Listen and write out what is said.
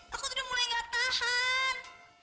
aku udah mulai gak tahan